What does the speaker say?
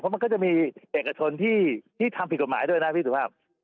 มันก็จะมีเอกชนที่ทำผิดกฎหมายด้วยนะพี่สุภาพ